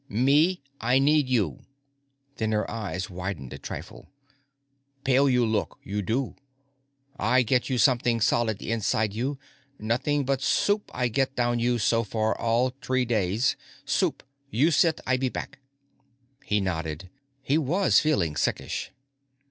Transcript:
"Me, I need you." Then her eyes widened a trifle. "Pale you look, you do. I get you something solid inside you. Nothing but soup I get down you so far, all three days. Soup. You sit, I be back." He nodded. He was feeling sickish.